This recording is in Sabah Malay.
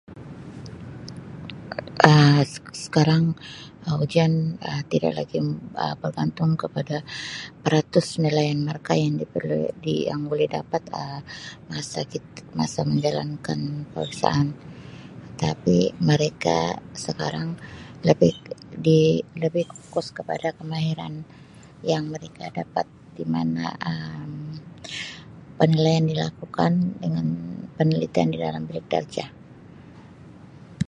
Um Sek- Se- Sekarang Um ujian Um tidak lagi Um bergantung kepada peratus nilaian markah yang diperlu- di- yang boleh dapat Um masa kit- masa menjalankan peperiksaan. Tapi mereka sekarang lebih di- lebih pokus kepada kemahiran yang merika dapat di mana Um penilaian dilakukan dengan penelitian di dalam bilik darjah.